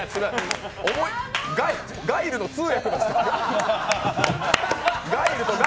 ガイルの通訳の人。